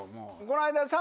この間。